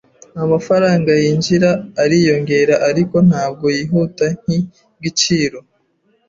Amafaranga yinjira ariyongera, ariko ntabwo yihuta nkigiciro.